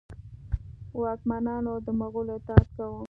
واکمنانو د مغولو اطاعت کاوه.